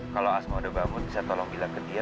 kalau asma udah bangun bisa tolong bilang ke dia